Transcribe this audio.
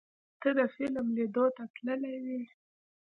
ته د فلم لیدو ته تللی وې؟